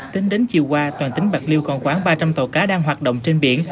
tính đến chiều qua toàn tỉnh bạc liêu còn khoảng ba trăm linh tàu cá đang hoạt động trên biển